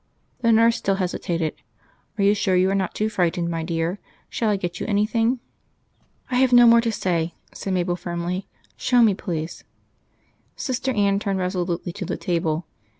The nurse still hesitated. "Are you sure you are not too frightened, my dear? Shall I get you anything?" "I have no more to say," said Mabel firmly. "Show me, please." Sister Anne turned resolutely to the table.